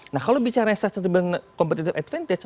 nah kalau bicara sustainable competitive advantage